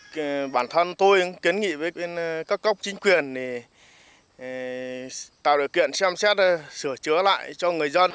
thì bản thân tôi kiến nghị với các cấp chính quyền tạo điều kiện xem xét sửa chữa lại cho người dân